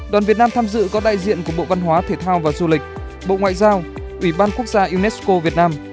đoàn việt nam tham dự có đại diện của bộ văn hóa thể thao và du lịch bộ ngoại giao ủy ban quốc gia unesco việt nam